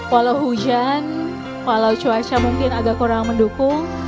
walau hujan kalau cuaca mungkin agak kurang mendukung